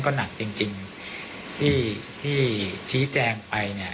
ก็หนักจริงแเลยที่ชี้แจงไป